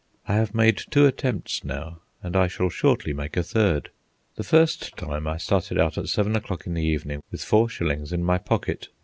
I have made two attempts now, and I shall shortly make a third. The first time I started out at seven o'clock in the evening with four shillings in my pocket.